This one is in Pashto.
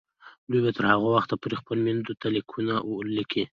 دوی به تر هغه وخته پورې خپلو میندو ته لیکونه لیکي.